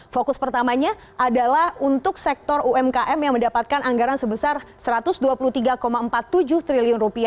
fokus pertamanya adalah untuk sektor umkm yang mendapatkan anggaran sebesar rp satu ratus dua puluh tiga empat puluh tujuh triliun